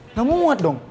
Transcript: nggak mau muat dong